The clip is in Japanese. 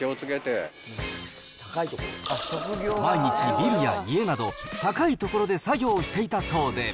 毎日ビルや家など、高い所で作業していたそうで。